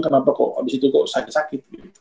kenapa kok abis itu kok sakit sakit